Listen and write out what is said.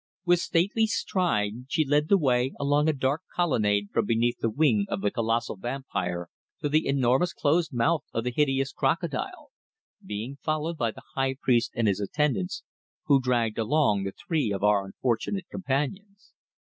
With stately stride she led the way along a dark colonnade from beneath the wing of the colossal vampire to the enormous closed mouth of the hideous crocodile, being followed by the high priest and his attendants, who dragged along the three of our unfortunate companions.